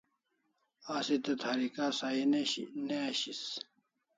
Asi te tharika sahi ne ashis